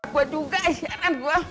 gua juga ajaran gua